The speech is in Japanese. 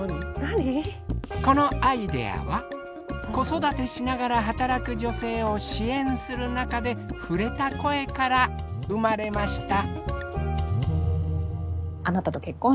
このアイデアは子育てしながら働く女性を支援する中で触れた声から生まれました。